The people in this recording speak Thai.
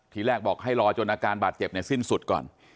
ทีแรกบอกให้รอจนอาการบาดเจ็บสิ้นสุดก่อน